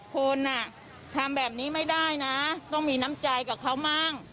คนทำแบบนี้ไม่ได้นะต้องมีน้ำใจกับเขาบ้าง